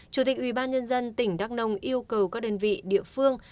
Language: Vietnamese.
chủ tịch ủy ban nhân dân tỉnh đắk nông yêu cầu các đơn vị địa phương